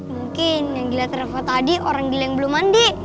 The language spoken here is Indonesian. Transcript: mungkin yang gila travel tadi orang gila yang belum mandi